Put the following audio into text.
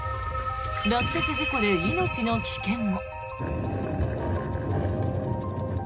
落雪事故で命の危険も。